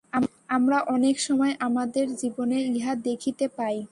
আমরা অনেক সময় আমাদের জীবনে ইহা দেখিতে পাই।